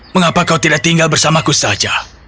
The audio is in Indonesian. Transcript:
mengapa kau tidak tinggal bersamaku saja